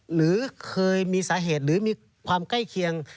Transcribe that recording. หรือเคยมีสาเหตุหรือมีความใกล้เคียง